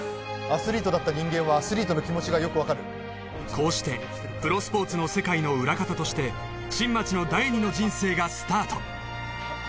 アスリートだった人間はアスリートの気持ちがよく分かるこうしてプロスポーツの世界の裏方として新町の第２の人生がスタート